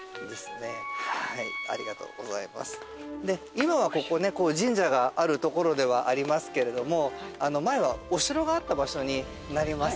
今はここね神社がある所ではありますけれども前はお城があった場所になりますので。